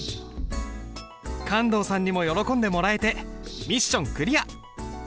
観堂さんにも喜んでもらえてミッションクリア！